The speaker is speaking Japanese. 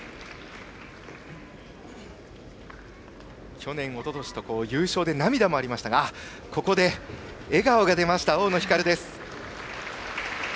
去年、おととしと優勝で涙もありましたがここで、笑顔が出ました大野ひかる。